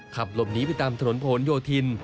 ขับหลบหนีไปตามถนนผนโยธิน